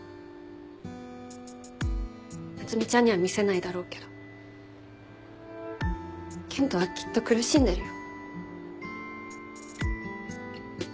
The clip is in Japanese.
夏海ちゃんには見せないだろうけど健人はきっと苦しんでるよ。